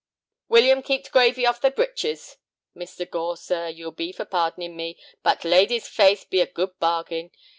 "William, keep t' gravy off thy breeches. Mr. Gore, sir, you'll be for pardoning me, but t' lady's face be a good bargain.